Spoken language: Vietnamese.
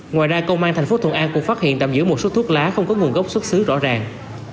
ngoài ra công an tp thuận an cũng phát hiện tạm giữ một số thuốc lá không có nguồn gốc xuất xứ rõ ràng